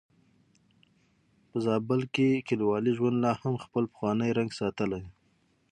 په زابل کې کليوالي ژوند لا هم خپل پخوانی رنګ ساتلی.